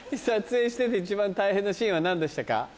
撮影してて一番大変なシーンは何でしたか？